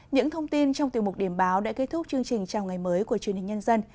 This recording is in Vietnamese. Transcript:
những thông tin trong tiêu mục điểm báo đã kết thúc chương trình chào ngày mới của chương trình nhân dân